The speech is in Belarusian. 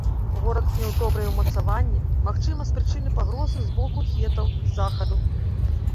Горад меў добрыя ўмацаванні, магчыма, з прычыны пагрозы з боку хетаў з захаду.